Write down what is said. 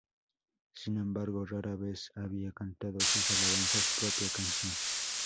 Sin embargo, rara vez había cantado sus alabanzas propia canción.